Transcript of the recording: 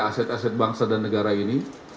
aset aset bangsa dan negara ini